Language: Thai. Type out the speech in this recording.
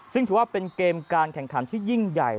ซึ่งถือว่าเป็นเกมการแข่งขันที่ยิ่งใหญ่